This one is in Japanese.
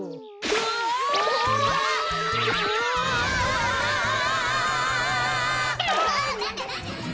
うわなんだなんだ！